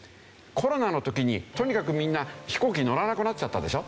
コロナの時にとにかくみんな飛行機に乗らなくなっちゃったでしょ。